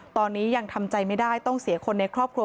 ตอนนี้ยังทำใจไม่ได้ต้องเสียคนในครอบครัว